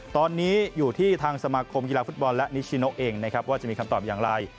ตอนนี้อยู่ที่ทางสมาคมกีฬาฟุตบอลและนิชิโนเองนะครับว่าจะมีคำตอบอย่างไร